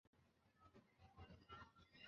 此后他担任了一系列社会职务。